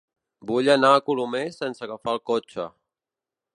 Vull anar a Colomers sense agafar el cotxe.